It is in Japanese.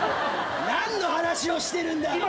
何の話をしてるんだ。